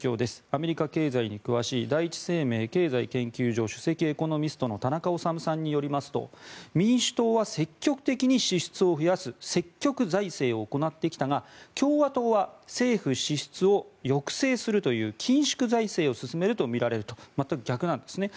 アメリカ経済に詳しい第一生命経済研究所主席エコノミストの田中理さんによりますと民主党は積極的に支出を増やす積極財政を行ってきたが共和党は政府支出を抑制するという緊縮財政を進めるとみられると全く逆なんですね。